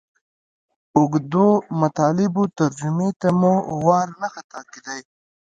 اوږدو مطالبو ترجمې ته مو وار نه خطا کېدئ.